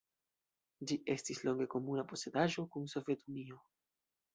Ĝi estis longe komuna posedaĵo kun Sovetunio.